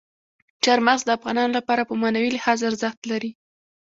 چار مغز د افغانانو لپاره په معنوي لحاظ ارزښت لري.